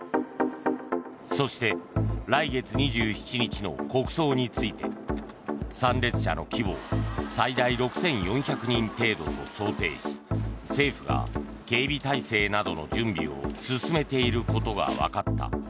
そして来月２７日の国葬について参列者の規模を最大６４００人程度と想定し政府が警備態勢などの準備を進めていることがわかった。